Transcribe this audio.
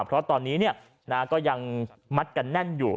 เพราะตอนนี้ก็ยังมัดกันแน่นอยู่